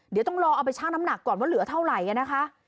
เดี๋ยวต้องรอเอาไปชั่งน้ำหนักก่อนว่าเหลือเท่าไหร่นะคะ